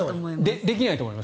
できないと思います。